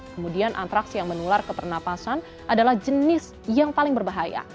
kemudian antraks yang menular ke pernapasan adalah jenis yang paling berbahaya